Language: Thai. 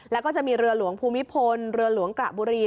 แล้วก็จะมีเรือหลวงภูมิพลเรือหลวงกระบุรี